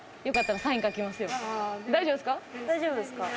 大丈夫ですか？